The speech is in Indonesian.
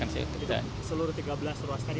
seluruh tiga belas ruas tadi